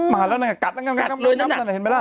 มาแล้วนะกัดเลยนะเห็นไหมล่ะ